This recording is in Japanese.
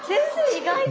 意外と。